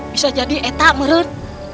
bisa jadi etak menurut